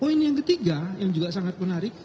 poin yang ketiga yang juga sangat menarik